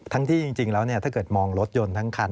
ที่จริงแล้วถ้าเกิดมองรถยนต์ทั้งคัน